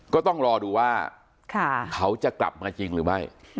ก็ต้องรอดูว่าเขาจะกลับมาจริงหรือไม่